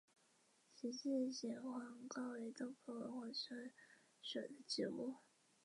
这给出了以一种几何的方式看商空间的方法。